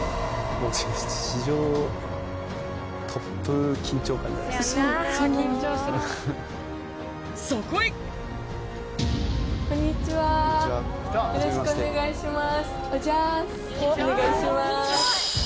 おじゃすよろしくお願いします。